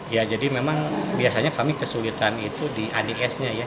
ya jadi memang biasanya kami kesulitan itu di ads nya ya